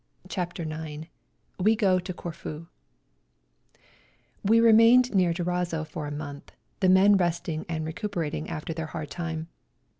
CHAPTER IX WE GO TO CORFU We remained near Durazzo for a month, the men resting and recuperating after their hard time.